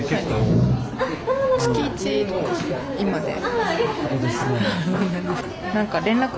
今で。